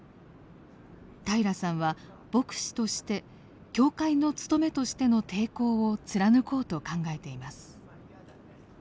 平良さんは牧師として教会のつとめとしての抵抗を貫こうと考えています。